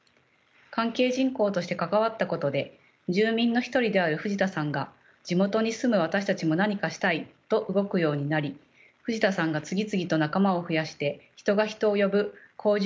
関係人口として関わったことで住民の一人である藤田さんが地元に住む私たちも何かしたいと動くようになり藤田さんが次々と仲間を増やして人が人を呼ぶ好循環が出来ていきました。